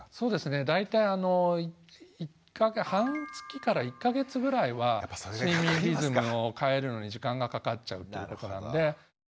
大体あの半月から１か月ぐらいは睡眠リズムを変えるのに時間がかかっちゃうと。